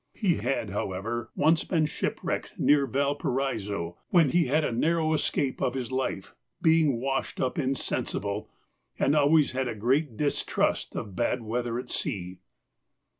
He had, however, once been shipwrecked near Valparaiso, when he had a narrow escape of his life, being washed up insensible, and always had a great distrust of bad weather at sea.